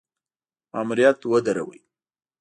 ماموریت ودراوه.